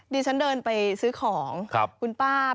ติดตามทางราวของความน่ารักกันหน่อย